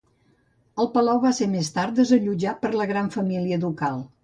El palau va ser més tard desallotjat per la Gran família Ducal.